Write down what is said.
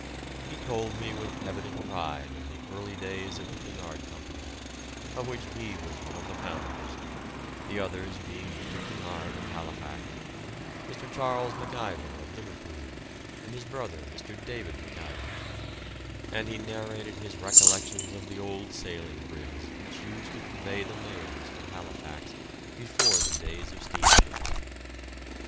He told me with evident pride of the early days of the Cunard Company, of which he was one of the founders, the others being Mr. Cunard of Halifax, Mr. Charles MacIver of Liverpool, and his brother Mr. David MacIver; and he narrated his recollections of the old sailing brigs which used to convey the mails to Halifax, before the days of steamships.